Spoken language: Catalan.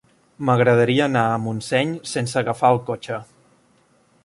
M'agradaria anar a Montseny sense agafar el cotxe.